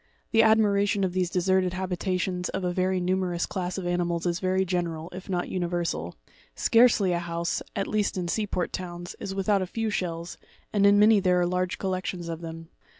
The admiration of these deserted habitations of a very numerous class of animals is very general, if not universal; scarcely a house, at least in sea port towns, is without a few shells, and in many there are large collections of them.